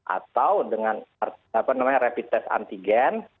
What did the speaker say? atau dengan rapid test antigen